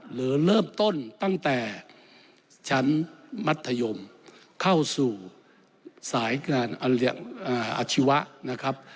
หรือเริ่มต้นตั้งแต่ชั้นมัธยมเข้าสู่สายงานอาชีวะนะครับ